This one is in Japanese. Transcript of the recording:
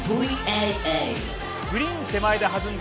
グリーン手前で弾んだ